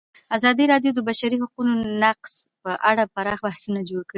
ازادي راډیو د د بشري حقونو نقض په اړه پراخ بحثونه جوړ کړي.